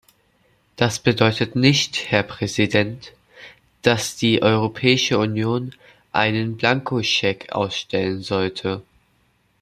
Das bedeutet nicht, Herr Präsident, dass die Europäische Union einen Blankoscheck ausstellen sollte.